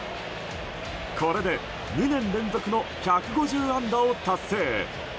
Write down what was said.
これで、２年連続の１５０安打を達成。